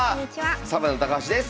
サバンナ高橋です。